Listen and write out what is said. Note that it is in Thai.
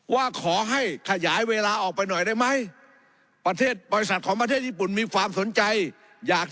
ว่าขอให้ขยายเวลาออกไปหน่อยได้ไหม